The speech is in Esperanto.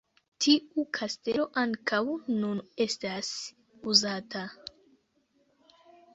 Tiu kastelo ankaŭ nun estas uzata.